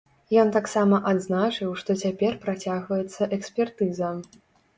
Ён таксама адзначыў, што цяпер працягваецца экспертыза.